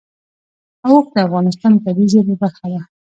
اوښ د افغانستان د طبیعي زیرمو برخه ده.